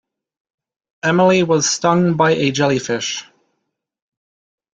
Emily was stung by a jellyfish.